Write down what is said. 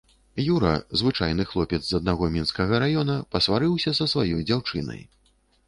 Юра, звычайны хлопец з аднаго мінскага раёна, пасварыўся са сваёй дзяўчынай.